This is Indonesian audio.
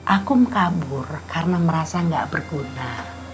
akum kabur karena merasa gak berguna